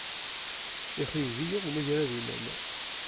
Ixeyyeb-iyi umagrad-nnem.